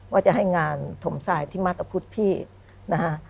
ว่าจะให้งานถมสายที่มาตรพุทธที่นะฮะ